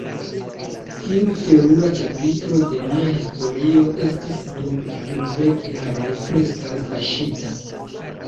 Tiu terura ĉapitro de nia historio estis dum kvindek jaroj preskaŭ kaŝita.